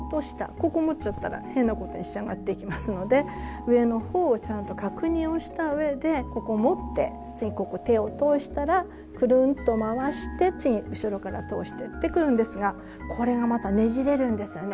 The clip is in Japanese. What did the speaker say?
ここ持っちゃったら変なことに仕上がっていきますので上のほうをちゃんと確認をした上でここを持って次ここ手を通したらくるんと回して次後ろから通してくるんですがこれがまたねじれるんですよね